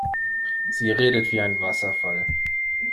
Sie redet wie ein Wasserfall.